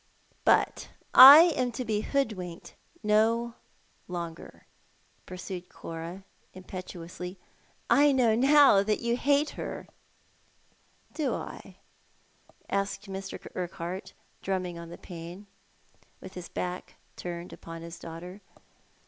" But I am to be hoodwinked no longer," pursued Cora im petuously. " I know now that you hate her." " Do I ?" asked Mr. Urquhart, drumming on the pane, with 266 Thou art the Man. his back turned npon his daughter.